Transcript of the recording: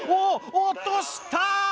落とした！